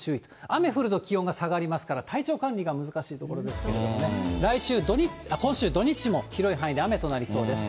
雨降ると気温が下がりますんで、体調管理が難しいところですけれども、今週土日も広い範囲で雨となりそうです。